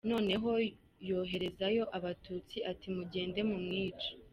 Noneho yoherezayo Abatutsi, ati: “mugende mumwice”.